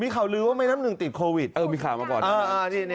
มีข่าวลือว่าแม่น้ำหนึ่งติดโควิดมีข่าวมาก่อน